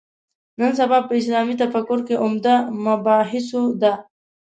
نن سبا په اسلامي تفکر کې عمده مباحثو ده.